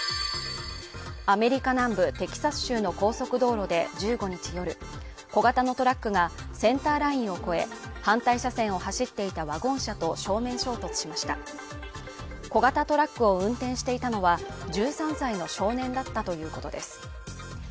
アメリカ南部テキサス州の高速道路で１５日夜小型のトラックがセンターラインを越え反対車線を走っていたワゴン車と正面衝突しました小型トラックを運転していたのは１３歳の少年だったということです